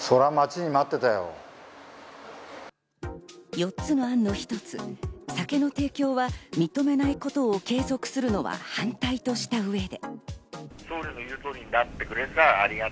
４つの案の１つ、酒の提供は認めないことを継続するのは反対とした上で。